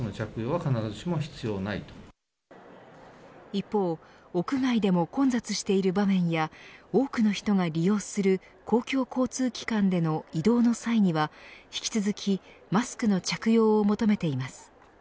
一方、屋外でも混雑している場面や多くの人が利用する公共交通機関での移動の際には引き続きマスクの着用を求めてます。